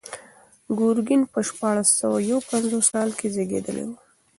ګورګین په شپاړس سوه یو پنځوس کال کې زېږېدلی و.